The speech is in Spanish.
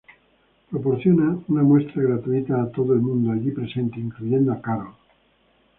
Proporciona una muestra gratuita a todo el mundo allí presente, incluyendo a Carol.